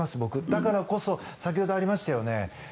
だからこそ先ほどありましたよね。